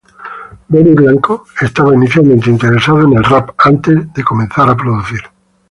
Benny Blanco estaba inicialmente interesado en el rap antes de comenzar a producir.